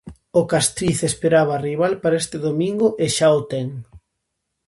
O Castriz esperaba rival para este domingo, e xa o ten.